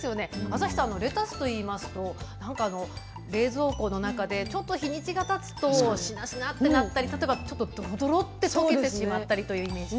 朝日さん、レタスといいますと冷蔵庫の中でちょっと日にちがたつとしなしなってなったりドロドロって溶けてしまったりというイメージ。